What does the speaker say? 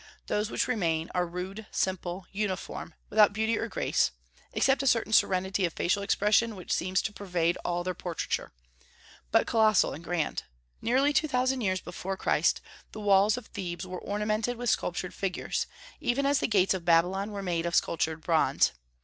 Those which remain are rude, simple, uniform, without beauty or grace (except a certain serenity of facial expression which seems to pervade all their portraiture), but colossal and grand. Nearly two thousand years before Christ the walls of Thebes were ornamented with sculptured figures, even as the gates of Babylon were made of sculptured bronze.